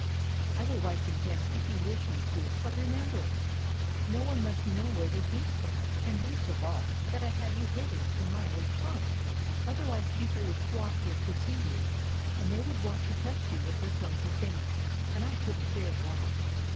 I will write them down, if you wish me to, but remember! No one must know where they came from, and least of all, that I have you hidden in my old trunk. Otherwise, people would flock here to see you, and they would want to touch you with their clumsy fingers, and I couldn't bear that.